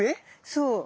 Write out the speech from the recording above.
そう。